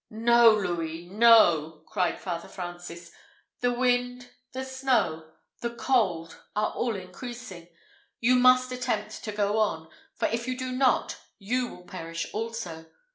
"No, Louis, no!" cried Father Francis; "the wind, the snow, the cold, are all increasing. You must attempt to go on, for, if you do not, you will perish also.